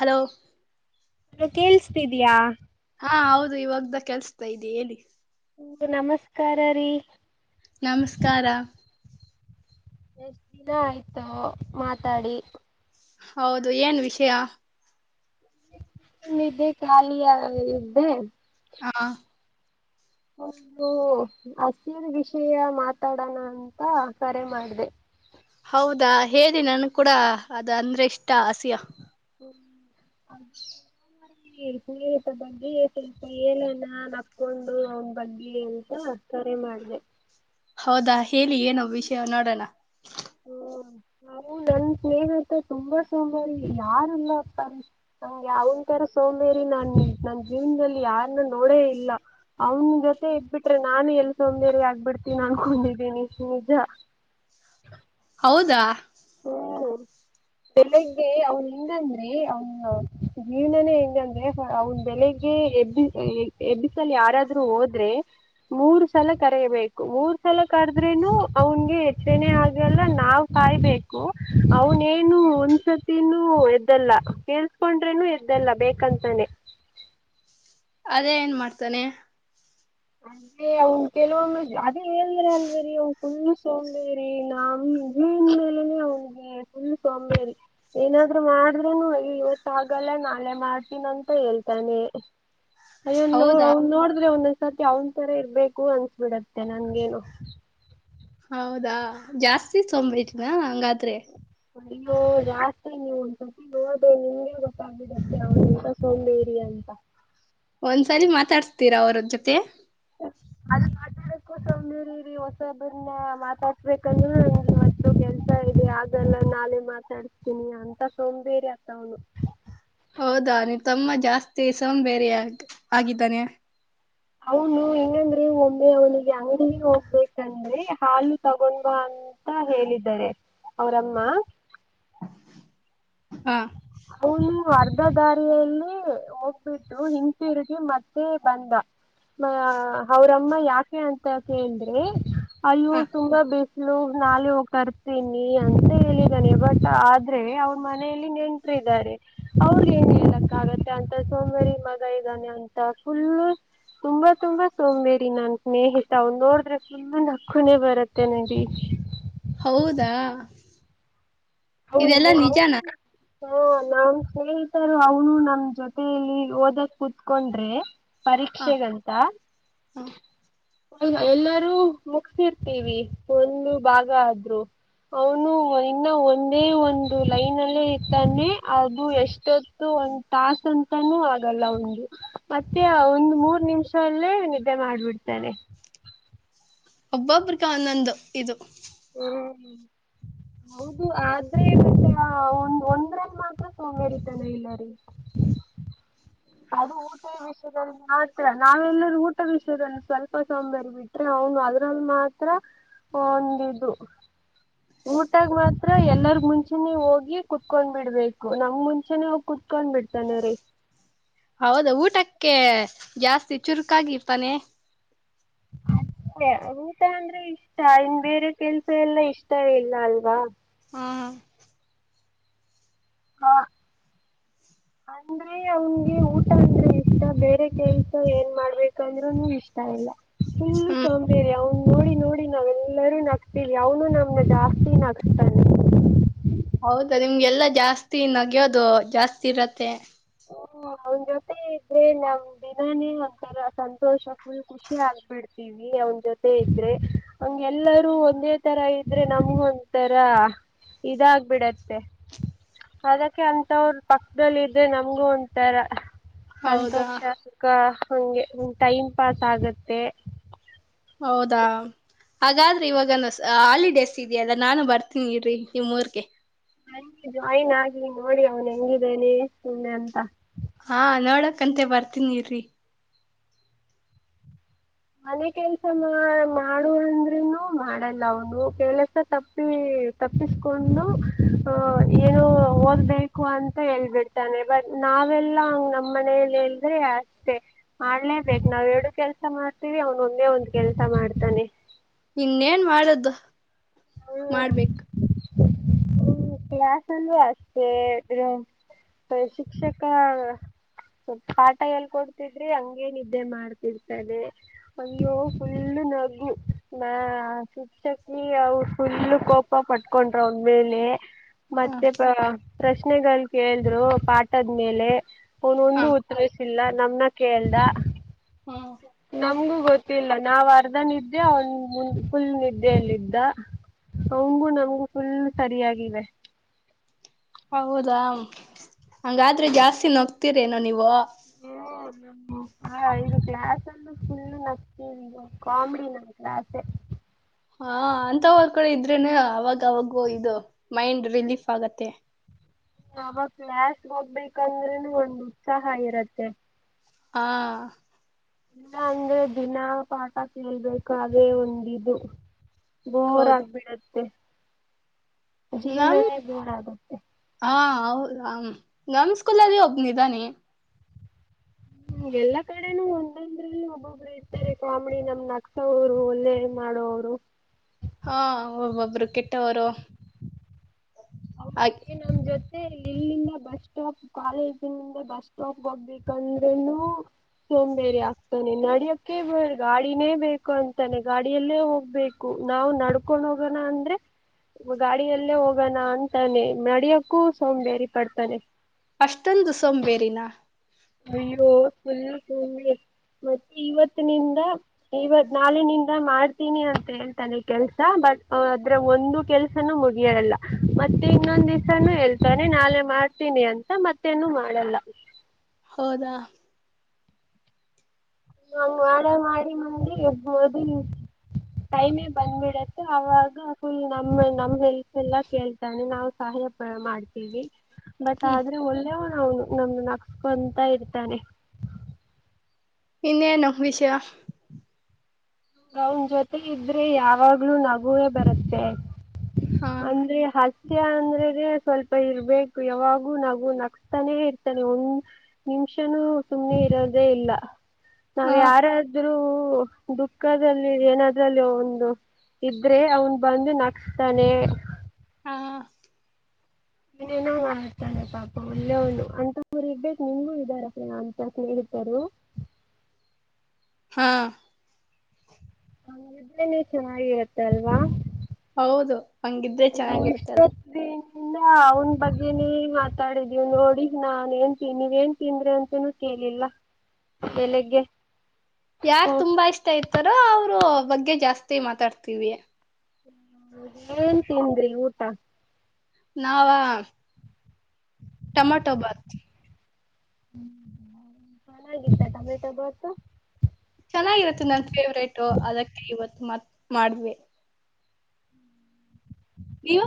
Hello ನ ಕೇಳಸ್ತಿದಯಾ ಹಾ ಹೌದು ಇವಾಗ್ದ ಕೆಲ್ಸ್ತಾ ಇದ ಹೇಳಿ ಹ್ಮ ನಮಸ್ಕಾರ ರೀ ನಮಸ್ಕಾರ ಎಷ್ಟ ದಿನ ಆಯ್ತೋ ಮಾತಾಡಿ ಹೌದು ಏನ್ ವಿಷಯ ೇ ಖಾಲಿಯ ಇದ್ದೆ ಹಾ ಹೌದು ಹಸಿರ ವಿಷಯ ಮಾತಾಡೋಣ ಅಂತ ಕರೆ ಮಾಡ್ದ ಹೌದಾ ಹೇಳಿ ನನ್ ಕೂಡ ಅದ ಅಂದ್ರೆ ಇಷ್ಟ ಆಸಿಯ [unintelligible] [inaudible] ನೀರಪ ಬಗ್ಗೆ ಸ್ವಲ್ಪ ಏಲನ ನಕ್ಕೊಂಡು ಅವನ ಬಗ್ಗೆ ಎಂತ ಕರೆ ಮಾಡಿದೆ ಹೌದಾ ಹೇಳಿ ಏನು ವಿಷಯ ನೋಡೋಣ ಹ್ಮ ನು ನನ್ ಸ್ನೇಹಿತ ತುಂಬಾ ಸೋಮಾರಿ ಯಾರಲ್ಲ ಅಪ್ಪ ನಂಗೆ ಅವನ ತರ ಸೋಮೇರಿ ನಾನ್ ನನ್ ಜೀವನದಲ್ಲಿ ಯಾರನ್ನ ನೋಡೇ ಇಲ್ಲ ಅವನ ಜೊತೆ ಇದಬಿಟ್ರೆ ನಾನು ಎಲ್ಲಿ ಸೋಂಬೇರಿ ಆಗ್ಬಿಡ್ತೀನಿ ಅನ್ಕೊಂಡಿದ್ದೀನಿ ನಿಜ ಹೌದಾ ಹ್ಮ ಬೆಳಿಗ್ಗೆ ಅವನ್ ಹೆಂಗಂದ್ರೆ ಅವನ ಜೀವನನೇ ಹೆಂಗಂದ್ರೆ ಅವನ್ ಬೆಳಿಗ್ಗೆ ಎಬ್ಬಿ ಎಬ್ಬಿಸಲ್ ಯಾರಾದ್ರರು ಹೋದ್ರೆ ಮೂರು ಸಲ ಕರಬೇಕು ಮೂರ್ ಸಲ ಕರದ್ರೇನು ಅವನ್ಗೆ ಹೆಚ್ಚನೆೇ ಆಗಲ್ಲ ನಾವ್ ಕಾಯ್ಬೇಕು ಅವನೇನು ಒಂದ್ಸತಿನೂ ಎದ್ದಲ್ಲ ಕೇಳ್ಸ್ಕೊಂಡ್ರೇನು ಎದ್ದಲ್ಲ ಬೇಕಂತಾನೆ ಅದೇ ಏನ್ ಮಾಡ್ತಾನೆ ಅೆ ಅವ ಕೆಲವೊಮ್ಮ ಅದೇ ಹೇಳದ್ರ ಅಲ್ವರಿ ಅವ್ ಫುಲ್ ಸೋಂಬೇರಿ ನಮಗೆನ್ ಮೇಲನೆ ಅವನ್ಿಗೆ ಫುಲ್ ಸೋಂಬೇರಿ ಏನಾದ್ರು ಮಾಡ್ರನು ಇವತ್ತ ಆಾಗಲ್ಲ ನಾಳೆ ಮಾಡ್ತೀನ ಅಂತ ಹೇಳ್ತಾನೆ ಅಯ್ಯೋ್ೋ ಹೌದಾ ಅವ್ನ ನೋಡಿದ್ರೆ ಒಂದ್ ಸತ್ ಅವನ ತರ ಇರ್ಬೇಕು ಅನ್ಸ್ಬಿಡತ್ತೆ ನನ್ಗೇನು ಹೌದಾ ಜಾಸ್ತಿ ಸೋಂಬೇರಿ ನಾ ಹಂಗದ್ [unintelligible] ದ್ರೆ ಅಯ್ಯೋ ಜಾಸ್ತಿ ನೀವ್ ಒಂದ್ಸತಿ ನೋಡ್ದ ನಿಮ್ಗೆ ಗೊತ್ತಾಗ್ಬಿಡುತ್ತೆ ಅವನೆಂತ ಸೋಂಬೇರಿ ಅಂತ ಒಂದ್ಸಾರಿ ಮಾತಾಡ್ಸ್ತೀರಾ ಅವ್ರ ಜೊತೆ ಅಲ್ಲಿ ಮಾತಾಡಕ್ಕು ಸೋಂಬೇರಿರಿ ಹೊಸೊಬ್ಬ್ರನ್ನ ಮಾತಾಡ್ಸ್ಬೇಕಂದ್ರೂ ನನ್ಗೆ ಇವತ್ತು ಕೆಲ್ಸ ಇದೆ ಆಗಲ್ಲ ನಾಳೆ ಮಾತಾಡ್ಸ್ತೀನಿ ಅಂತ ಸೋಂಬೇರಿ ಅತ್ತ ಅವನು ಹೌದಾ ನಿಮ್ ತಮ್ಮ ಜಾಸ್ತಿ ಸೋಂಬೇರಿ ಆ ಆಗಿದ್ದಾನೆ ಅವನು ಹೆಂಗಂದ್ರೆ ಒಮ್ಮೆ ಅವನಿಗೆ ಅಂಗಡಿಗೆ ಹೋಗ್ಬೇಕಂದ್ರೆ ಹಾಲು ತಗೊಂಡ ಬಾ ಅಂತ ಹೇಳಿದ್ದಾರೆ ಅವರಮ್ಮ ಹಾ ಅವನು ಅರ್ಧ ದಾರಿಯಲ್ಲಿ ಹೋಗ್ ಬಿಟ್ಟು ಇಂದ್ ತಿರುಗಿ ಮತ್ತೆ ಮತ್ತೆ ಬಂದ ಮ ಅವ್ರಮ್ಮ ಯಾಕೆ ಅಂತ ಕೇಳಿದ್ರೆ ಅಯ್ಯೋ ಹ ತುಂಬ ಬಿಸ್ ಲು ನಾಳೆ ಹೋಗಿ ತರ್ತೀನಿ ಅಂತ ಹೇಳಿದಾನೆ ಬಟ್ ಆದ್ರೆ ಅವ್ರ ಮನೆಯಲ್ಲಿ ನೆನ್ ಟ್ರ್ ಇದಾರೆ ಅವ್ರ ಏನ್ ಹೇಳಕ್ಕ ಆಗತ್ತೆ ಅಂತ ಸೋಂಬೇರಿ ಮಗ ಇದ್ದಾನೆ ಅಂತ ಫುಲ್ಲು ತುಂಬಾ ತುಂಬಾ ಸೋಂಬೇರಿ ನನ್ ಸ್ನೇಹಿ ತಾವು ನೋಡಿದ್ರೆ ಫುಲ್ನ್ ನಕ್ಕುನೇ ಬರುತ್ತೆ ನಿಧಿ [unintelligible] ಹೌದಾ ಹ ಇದೆಲ್ಲಾ ನಿಜಾನಾ ಹ ನಾನ್ [unintelligible] [unintelligible] ಅವನು ನಮ್ ಜೊತೆಯಲ್ಲಿ ಓದಕ್ ಕೂತ್ಕೊಂಡ್ರೆ ಹ ಪರೀಕ್ಷೆಗಂತ ಹ ಎಲ್ಲರೂ ಮುಗಸರ್ತೀವಿ ಒಂದು ಭಾಗ ಆದ್ರು ಅವನು ಇನ್ನ ಒಂದು ಇದೇ ಒಂದು ಲೈನ್ಲ್ಲೇ ಇರ್ತಾನೆ ಅದು ಎಷ್ಟೊತ್ತು ಒಂದ್ ತಾಸ ಅಂತಾನೂ ಆಗಲ್ಲ ಒಂದು ಮತ್ತೆ ಒಂದ್ ಮೂರ್ ನಿಮಿಷ ಅಲ್ಲೇ ನಿದ್ದೆ ಮಾಡ್ಬಿಡ್ತಾನೆ ಒಬ್ಬೊಬ್ರ ಕ ಒಂದೊಂದ್ ಇದು ಹ್ಮ ಹೌದು ಆದ್ರೆ [unintelligible] ಒಂದ್ ಒಂದ್ರಲ್ಲಿ ಮಾತ್ರ ಸೋಂಬೇರಿತನ ಇಲ್ಲ ರೀ ಅದು ಊಟ ವಿಷಯದಲ್ಲಿ ಮಾತ್ರ ನಾವೆಲ್ಲರೂ ಊಟ ವಿಷಯದಲ್ಲಿ ಸ್ವಲ್ಪ ಸೋಂಬೇರಿ ಬಿಟ್ರೆ ಅವನು ಅದ್ರಲ್ಲಿ ಮಾತ್ರ ಒಂದು ಇದು ಊಟಾಗ ಮಾತ್ರ ಎಲ್ಲರ್ಗ ಮುಂಚೆ [unintelligible] ಮುಂಚೆ ಹೋಗಿ ಕೂತ್ಕೊಂಡ್ ಬಿಡ್ಬೇಕು ನಮ್ ಮುಂಚೆನೇ ಹೋಗಿ ಕೂತ್ಕೊಂಡ್ಬ ಬಿಡ್ತಾನ ರೀ ಹೌದ ಊಟಕ್ಕೆ ಜಾಸ್ತಿ ಚುರ್ಕಗಿ ತಾನ [unintelligible] ಅಷ್ಟೆ ಊಟ ಅಂದ್ರೆ ಇಷ್ಟ ಇನ್ ಬೇರೆ ಕೆಲ್ಸ ಎಲ್ಲ ಇಷ್ಟ ಇಲ್ಲ ಅಲ್ವಾ ಹ್ಮ ಹಾ ಅಂದ್ರೆ ಅವನ್ಗೆ ಊಟ ಅಂದ್ರೆ ಇಷ್ಟ ಬೇರೆ ಕೆಲ್ಸ ಏನ್ ಮಾಡ್ಬೇಕಂದ್ರುನು ಇಷ್ಟ ಇಲ್ಲ ಫುಲ್ಲು ಸೋಂಬೇರಿ ಅವನ್ ನೋಡಿ ನೋಡಿ ನಾವೆಲ್ಲರೂ ನಗ್ತೀವಿ ಅವನು ನಮ್ನ ಜಾಸ್ತಿ ನಗ್ಸ್ತಾನೆ ಹೌದಾ ನಿಮ್ಗೆಲ್ಲಾ ಜಾಸ್ತಿ ನಗ್ಯೋದು ಜಾಸ್ತಿ ಇರತ್ತೆ ಹ್ಮ ಅವನ್ ಜೊತೆ ಇದ್ರೆ ನಮ್ ದಿನಾನೇ ಒಂತರ ಸಂತೋಷ ಫುಲ್ ಖುಷಿ ಆಗ್ಬಿಡ್ತೀವಿ ಅವನ್ ಜೊತೆ ಇದ್ರೆ ಹ್ಗೆಲ್ಲರೂ ಒಂದೇ ತರ ಇದ್ರೆ ನಮ್ಗ ಒಂತರ ಇದಾಗಬಿಡತ್ತೆ ಅದಕ್ಕೆ ಅಂತವ್ರ ಪಕ್ಕದಲ್ಲಿ ಇದ್ರೆ ನಮ ಹಂಗು [unintelligible] ಒಂತರ ಹೌದಾ ಸಂತೋಷ ಸುಖ ಹಂಗೆ ಟೈಮ್ ಪಾಸ್ ಆಗತ್ತೆ ಹೌದಾ ಹಾಗಾದ್ರೆ ಇವಾಗ ಹಾಲಿಡೇಸ್ ಇದೆಯಲ್ಲ ನಾನು ಬರ್ತೀನಿ ಇರ್ರಿ ನಿಮುರ್ಗೆ ನಂಗೆ [unintelligible] ಜಾಯಿನ್ ಆಗಿ ನೋಡಿ ಅವ್ನು ಹೆಂಗಿದ್ದೇನೆ ಸುಮ್ಮ್ನೆ ಅಂತ ಹಾ ನೋಡಕಂತೆ ಬರ್ತೀನಿ ಇರ್ರಿ ಮನೆ ಕೆಲ್ಸ ಮಾಡು ಅಂದ್ರುನು ಮಾಡಲ್ಲ ಅವನು ಕೆಲಸ ತಪ್ಪಿ ತಪ್ಪಿಸ್ಕೊಂಡು ಅಹ ಏನು ಹ ಓದ್ಬೇಕು ಅಂತ ಹೇಳ್ಬಿಡ್ತಾನೆ ಬಟ್ ನಾವೆಲ್ಲಾ ಹಂಗ ನಮ್ಮ್ ಮನಲಿ ಎಲ್ದ್ರೆ ಅಷ್ಟೆ ಮಾಡ್ಲೇಬೇಕಕ್ ನಾವ್ ಎರಡು ಕೆಲ್ಸ ಮಾಡ ರ್ತೀರಿ ಅವ್ನು ಒಂದೆ ಒಂದ್ ಕೆಲಸ ಮಾಡ್ತಾನೆ ಇನ್ನೇನ್ ಮಾಡೋದು ಮಾಡ್ಬೇಕು ಹ ಕ್ಲಾಸ್ ಅಲ್ಲೂ ಅಷ್ಟೇ ಶಿಕ್ಷಕ ಸ್ಲ್ ಪಾಠ ಎಲ್ ಕೊಡ್ತಿದ್ರಿ ಹಂಗೇ ನಿದ್ದೆ ಮಾಡ್ತಿರ್ತದೆ ಒಂದು ಫುಲ್ಲ ನಗು ನ ಶಿಕ್ಷಕಿ ಅವರು ಫುಲ್ಲು ಕೋಪ ಪಟ್ಕೊಂಡ್ರ ಅವಂದ ಮೇಲೆ ಹ ಮತ್ತೆ ಬ ಪ್ರಶ್ನೆಗಳು ಕೇಳಿದ್ರು ಪಾಠದ ಮೇಲೆ ಹಾ ಅವನೊಂದು ಉತ್ತರಿಸಿಲ್ಲ ನಮ್ನ ಕೇಳ್ದ ಹಾ ನಮ್ಗೂ ಗೊತ್ತಿಲ್ಲ ನಾವ್ ಅರ್ಧ ನಿದ್ದೆ ಅವನ್ ಮುನ್ಫುಲ್ ನಿದ್ದೆಯಲ್ಲಿದ್ದ ಅವಂಗು ನಮ್ಗೂ ಫುಲ್ ಸರಿಯಾಗಿವೆ ಹೌದಾ ಹಂಗಾದ್ರೆ ಜಾಸ್ತಿ ನಗ್ತಿರೇನೋ ನೀವು ಹ ಇದು ಕ್ಲಾಸ್ ಫುಲ್ ನಗ್ತೀವಿ ಕಾಮಿಡಿ ನನ್ನ ಕ್ಲಾಸೆ ಹಾ ಅಂತವ ಕೂಡೆ ಇದ್ರೇನೆ ಅವಾಗವಾಗೂ ಇದು ಮೈಂಡ್ ರಿಲೀಫ್ ಆಗತ್ತೆ ಯಾವಾಗ ಕ್ಲಾಸ್ ಹೋಗ್ಬೇಕಂದ್ರೂನು ಒಂದು ಉತ್ಸಾಹ ಇರತ್ತೆ ಹಾ ಇಲ್ಲ ಅಂದ್ರೆ ದಿನ ಪಾಠ ಕೇಳ್ಬೇಕು ಅದೇ ಒಂದಿದು ಬೋರ್ ಆಗ್ಬಿಡ ಹ ನ ಹಾ ಹೌದ ಆ ನಮ್ಮ್ ಸ್ಕೂಲ್ಲ್ಲಿ ಒಬ್ನಿದ್ದಾನೆ ಹ್ಮ ಎಲ್ಲಾ ಕಡೆನೂ ಒಂದಂದ್ರೆ ಒಬ್ಬೊಬ್ರು ಇರ್ತಾರೆ ಕಾಮಿಡಿ ನಮ್ ನಕ್ಸವರು ಒಳ್ಳೆ ಮಾಡೋವರು ಹಾ ಒ ಒಬ್ರು ಕೆಟ್ಟ ವರ ಹ ನಮ್ ಜೊತೆ ಅ ಎಲ್ಲಿಂದ ಬಸ್ ಸ್ಟಾಪ್ ಕಾಲೇಜಿನಿಂದ ಬಸ್ ಸ್ಟಾಪ್ ಹೋಗ್ಬೇಕಂದ್ರನು ಸೋಂಬೇರಿ ೆ ನಡಿಯಕೆ ಬೇ ಗಾಡಿನೇ ಬೇಕು ಅಂತಾನೆ ಗಾಡಿಯಲ್ಲೇ ಹೋಗ್ಬೇಕು ನಾವು ನಡ್ಕೊಂಡ್ ಹೋಗಣ ಅಂದ್ರೆ ಗಾಡಿಯಲ್ಲೇ ಹೋಗೋಣ ಅ ತಾನೆ ನಡಿಯಕ್ಕೂ ಸೋಂಬೇರಿ ಪಡ್ತಾನೆ ಅಷ್ಟಂದು ಸೋಂಬೇರಿನಾ ಅಯ್ಯೋ ಫುಲ್ ಮತ್ತೆ ಇವತ್ತು ಇವತ್ನಿಂದ ನಾಳಿಂದ ಮಾಡ್ ತೀನಿ ಅಂತ ಹೇಳ್ತಾನೆ ಕೆಲ್ಸ ಬಟ್ ಅದ್ರ ಒಂದು ಕೆಲ್ಸನ ಮುಗಿಯಲ್ಲ ಮತ್ತೆ ಇನ್ನೊಂದ್ ದಿವಸನುೂ ಹೇಳ್ತಾನೆ ನಾಳೆ ಮಾಡ್ತೀನಿ ಅಂತ ಮತ್ತೇನು ಮಾಡಲ್ಲ ಹೌದಾ ನ ಮಾಡಡ ಮಾಡಿ ಮಂದಿ ಎಬ ಅದು [unintelligible] ಟೈಮೆ ಬಂದ್ಬಿಡತ್ತೆ ಅವಾಗ ಫುಲ್ ನಮ ನಮ್ ಹೆಲ್ತ್ ಎಲ್ಲ ಕೇಳ್ತಾನೆ ನಾವು ಸಹಾಯ ಮಾಡ್ತೀವಿ ಬಟ್ ಹ್ಮ್ ಆದ್ರೆ ಒಳ್ಳೆ ಹೌನು ನಮು ನಕ್ಸ್ಕೊಂತ ಇರ್ತಾನೆ ಇನ್ನೇನು ವಿಷಯ ಅವನ ಜೊತೆ ಇದ್ರೆ ಯಾವಾಗ್ಲೂ ನಗುವೇ ಬರತ್ತೆ ಹಾ ಅಂದ್ರೆ ಹ ಸತ್ಯ ಅಂದ್ರದೇ ಸ್ವಲ್ಪ ಇರರ್ಬೇಕು ಯಾವಾಗೂ ನಗು ನಕ್ಸ್ತಾನೆ ಇರ್ತಾನೆ ಒಂದ್ ನಿಮಿಷನೂ ಸುಮ್ಮ್ನೆ ಇರೋದೇ ಇಲ್ಲ ಹ ನಾವ್ ಯಾರಾದ್ರೂ ಹ ದುಃ ಪಕ್ಕದಲ್ಲಿ ಏನಾದ್ರಲ್ಲಿ ಒಂದು ಇದ್ರೆ ಅವನ್ ಬಂದು ನಗ್ಸ್ತಾನೆ ಹಾ ಏನೇನು ಮಾಡ್ತಾನೆ ಪಾಪ ಒಳ್ಳೆವ್ನು ಅಂತ ಅವರು ಇರರ್ಬೇಕು ನಿಮಗೂ ಇದ್ದಾರಪ್ಪ ಅಂತ ಸ್ನೇಹಿತರು ಹಾ ಹಂಗಿದ್ರೆ ನೀವು ಚೆನ್ನಾಗಿರುತ್ತೆ ಅಲ್ವಾ ಹೌದು ಹಂಗಿದ್ರೆ ಚೆನ್ನಾಗಿರುತ್ತಲ್ಲ ಇನ್ನ ಅವನ್ ಬಗ್ಗೆೇನೇ ಮಾತಾಡಿದೀವಿ ನೋಡಿ ನಾನ್ [unintelligible] ನೀವು ನ್ ತಿಂದ್ರೆ ಅಂತನೂ ಕೇಳಿಲ್ಲ ಬೆಳಗ್ಗೆ ಯಾರ್ ತುಂಬಾ ಇಷ್ಟ ಇರಾತಾರೋ ಅವರು ಬಗ್ಗೆ ಜಾಸ್ತಿ ಮಾತಾಡ್ತಿೀವಿ ಏನ್ ತಿಂದ್ರಿ ಊಟ ಹಾ ನಾವ ಟೊಮೋಟೊ ಬಾತ್ ಹ್ಮ್ ಚೆನ್ನಾಗಿತ್ತ ಟಮೋಟೋ ಬಾತು ಚೆನ್ನಾಗಿರುತ್ತೆ ನಂಗೆ [unintelligible] ಫೇವ್ರೇಟ್ ಅದಕ್ಕೆ ಇವತ್ತು ಮತ್ ಮಾಡ್ವಿ ನೀವು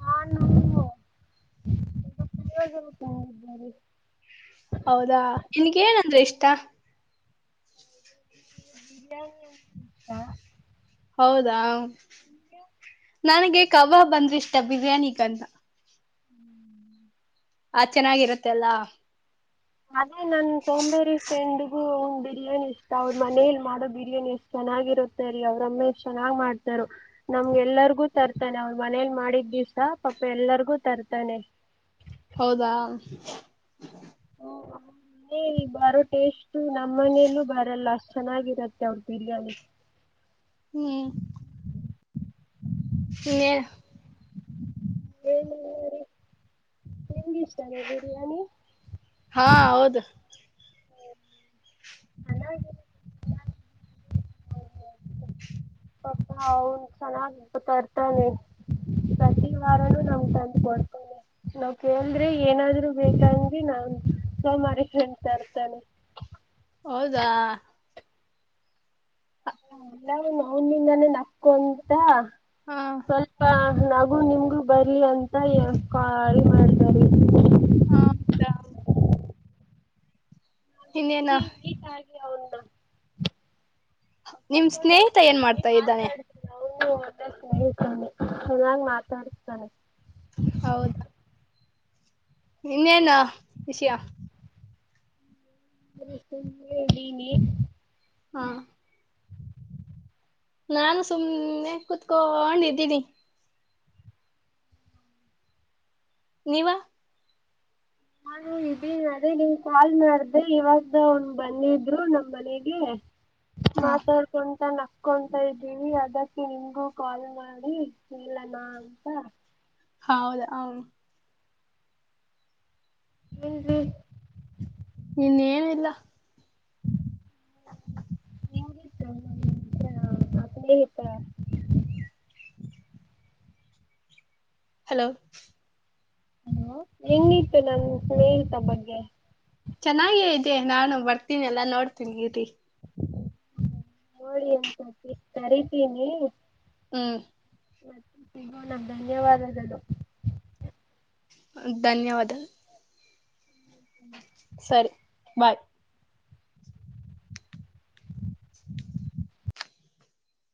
ನಾನು ಪುಳಿಯೋಗರೆ [unintelligible] ಹೌದಾ ನಿನ್ಗ್ ಏನಂದ್ರ ಇಷ್ಟ ಬಿರಿಯಾನಿ ಅಂದ್ರೆ ಇಷ್ಟ ಹೌದಾ ನನಗೆ ಕಬಾಬ್ ಅಂದ್ರೆ ಇಷ್ಟ ಬಿರಿಯಾನಿಗಿಂತ. ಹ್ಮ್. ಆ ಚೆನ್ನಾಗಿರತ್ತೆ ಅಲ್ಲಾ. ಅದೇ ನನ್ನ ನನ್ನ ಸೋಂಬೇರಿ ಸೆಂಡಿಗೆ. ಬಿರಿಯಾನಿ ಇಷ್ಟ ಅವ್ರ ಮನೇಲಿ ಮಾಡೋ ಬಿರಿಯಾನಿ ಎಷ್ಟ್ ಚೆನ್ನಾಗಿರುತ್ತರೀ ಅವ್ರಮ್ಮೆ ಎಷ್ಟ ಚೆನ್ನಾಗ್ ಮಾಡತಾರೋ ನಮ್ಗೆ ಎಲ್ಲರಿಗೂ ತರ್ತಾನೆ ಅವ್ರ ಮನೇಲಿ ಮಾಡಿದ ದಿವಸ ಎಲ್ಲರಿಗೂ ತರ್ತಾನೆ ಹೌದಾ ಮನೇಲಿ ಬರೋ ಟೇಸ್ಟ್ ನಮ್ಮ್ ಮನೇಲ್ಲೂ ಬರಲ್ಲ ಅಷ್ಟ ಚೆನ್ನಾಗಿರತ್ತೆ ಅವರ ಬಿರಿಯಾನಿ ಹ್ಮ್ ಹೇ ಏನು ಇಲ್ಲ ರಿ. ನಿಮ್ಗ್ ಇಷ್ಟಾನ ಬಿರಿಯಾನಿ. ಹಾ ಹೌದು ಹ್ಮ್ ಚೆನ್ನಾಗಿರುತ್ [unintelligible] ಪಪ ಅವನು ಚೆನ್ನಾಗ್ ತರ್ತಾನೆ ಪ್ರತಿ ವಾರನು ನಮ್ಗ್ ತಂದ್ ಕೊಡ್ತಾನೆ ನಾವ್ ಕೇಳಿದ್ರೆ ಏನಾದ್ರು ಬೇಕಂಗ ನಾ ಸೋಮಾರಿ ಫ್ರೆಂಡ್ ತರ್ತಾನೆ. ಹೌದಾ ಹಾ ಎಲ್ಲಾರುನ ಅವನಿಂದನೆ ನಕ್ಕು ಅಂತ. ಹಾ ಸ್ವಲ್ಪ ನಾ. ನಮಗೂ ನಿಮ್ಗು ಬರ್ಲಿ ಅಂತ ಎರಡು ಕಲ್ಮಡ್ಡಿದೇರಿ ಹದಾ. ಇನ್ನೇನು. ನಿಮ್ ಸ್ನೇಹಿತ ಏನ್ ಮಾಡ್ತಾ ಇದ್ದನೆ. ಹು [unintelligible] ಸ್ನೇಹಿತಾನೆ ಚೆನ್ನಾಗ್ ಮಾತಾಡ್ಸ್ತಾನೆ. ಹೌದಾ ಇನ್ನೇನು ವಿಷ್ಯ. [unintelligible] ಸುಮ್ನೆಯಿದೀನಿ ಹ ನಾನು ಸುಮ್ಮ್ನೆ ಕುತ್ಕೊಂಡಿದ್ದೀನಿ. ನೀವ. ನಾನು ಇದೀನಿ ಅದೆ ನೀನ ಕಾಲ್ ಮಾಡ್ದೆ ಇವಾಗ ಅವನ್ ಬಂದಿದ್ರು ನಮ್ ಮನೆಗೆ. ಹಾ ಮಾತಾಡ್ಕೊಂತಾ ನಕ್ ಕ [unintelligible] ಇದ್ದೀವಿ ಅದಕ್ಕೆ ನಿಮ್ಗೂ ಕಾಲ್ ಮಾಡಿ ಕೇಳನ ಅಂತ. ಹೌದಾ ಹ ಏನ್ರೀ. ಇನ್ನೇನಿಲ್ಲ [inaudible] ಹಲೋ ಹಲೊ ಹೆಂಗಿತ್ತು ನನ್ ಸ್ನೇಹಿತ ಬಗ್ಗೆ. ಚೆನ್ನಾಗೇ ಇದೆ ನಾನು ಬರ್ತೀನಿ ಎಲ್ಲ ನೋಡ್ತೀನಿ ಇರ್ರಿ ನೋಡಿ ಎಂ [unintelligible] ಕರಿತೀನಿ ಹ್ಮ ಮತ್ ಸಿಗೋಣ ಧನ್ಯವಾದಗಳು. ಧನ್ಯವಾದ. ಸರಿ ಬಾಯ್